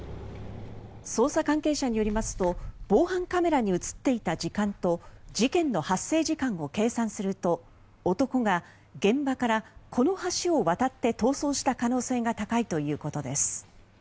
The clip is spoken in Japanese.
捜査関係者によりますと防犯カメラに映っていた時間と事件の発生時間を計算すると男が、現場からこの橋を渡って逃走した可能性が高いということです。